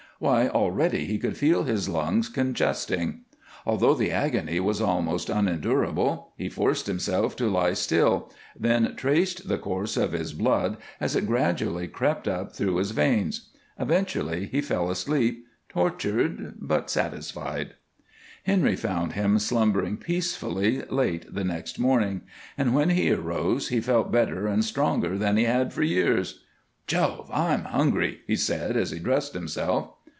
Why, already he could feel his lungs congesting. Although the agony was almost unendurable, he forced himself to lie still, then traced the course of his blood as it gradually crept through his veins. Eventually he fell asleep, tortured, but satisfied. Henry found him slumbering peacefully late the next morning, and when he arose he felt better and stronger than he had for years. "Jove! I'm hungry," he said as he dressed himself.